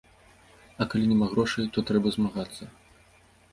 А калі няма грошай, то трэба змагацца.